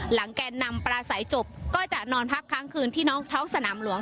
หลังแกนนำประสัยจบก็จะนอนพักค้างคืนที่น้องเทาะสนามหลวง